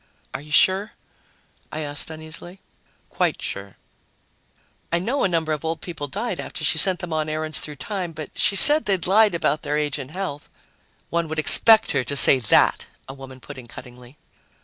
"Are you sure?" I asked uneasily. "Quite sure." "I know a number of old people died after she sent them on errands through time, but she said they'd lied about their age and health." "One would expect her to say that," a woman put in cuttingly.